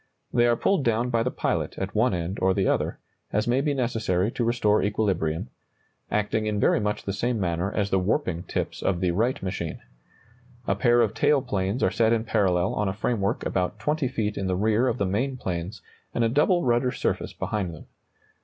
They are pulled down by the pilot at one end or the other, as may be necessary to restore equilibrium, acting in very much the same manner as the warping tips of the Wright machine. A pair of tail planes are set in parallel on a framework about 20 feet in the rear of the main planes, and a double rudder surface behind them.